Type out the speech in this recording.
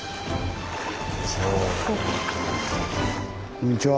こんにちは。